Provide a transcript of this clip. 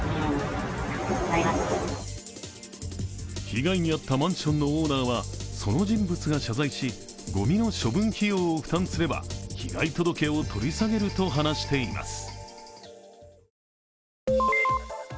被害に遭ったマンションのオーナーはその人物が謝罪し、ごみの処分費用を負担すれば被害届を取り下げると話しています。